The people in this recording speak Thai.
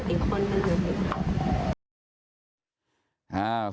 เอ็นดูเราเหมือนลูกอีกคน